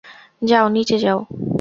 যাও, নীচে যাও।